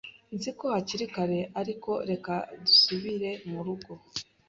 Nzi ko hakiri kare, ariko reka dusubire murugo.